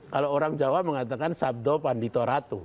kalau orang jawa mengatakan sabdo panditoratu